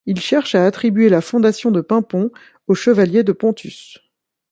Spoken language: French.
Ils cherchent à attribuer la fondation de Paimpont au chevalier de Ponthus.